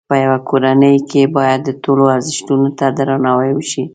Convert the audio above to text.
په یوه کورنۍ کې باید د ټولو ازرښتونو ته درناوی وشي.